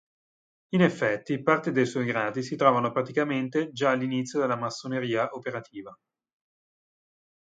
In effetti, parte dei suoi gradi si trovano praticamente già all'inizio della Massoneria Operativa.